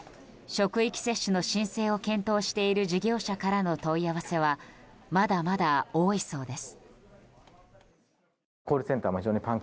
職域接種の申請を検討している事業者からの問い合わせはまだまだ多いそうです。